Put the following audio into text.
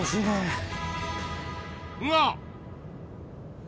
が！